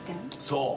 そう。